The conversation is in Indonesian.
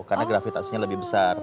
karena gravitasinya lebih besar